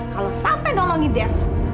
kalau sampai nolongin dev